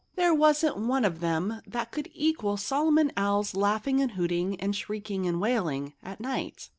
There wasn't one of them that could equal Solomon Owl's laughing and hooting and shrieking and wailing—at night.